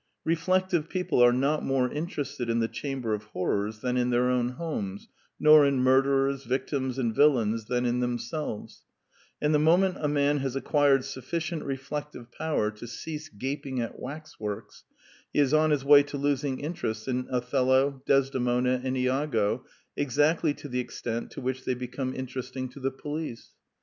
Reflective people are not more interested in the Chamber of Horrors than in their own homes, nor in murderers, victims, and villains than in themselves; and the moment a man has acquired suiEcient reflective power to cease gaping at waxworks, he is on his way to losing interest In Othello, Desdemona, and lago exactly to the extent to which they become inter esting to the police.